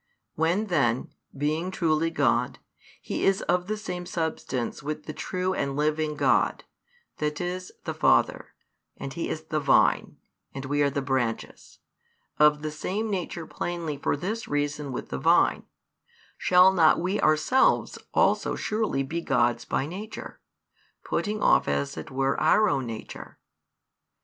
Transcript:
When then, being truly God, He is of the same Substance with the true and living God, that is the Father, and He is the vine, and we are the branches, of the same nature plainly for this reason with the vine; shall not we ourselves also surely be Gods by nature, putting off as it were our own nature?